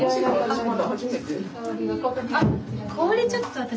氷ちょっと私。